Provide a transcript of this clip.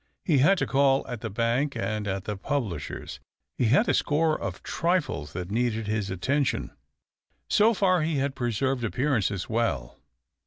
He had to call at the bank and at the publishers, he had a score of trifles that needed his attention. So far he had preserved appearances well.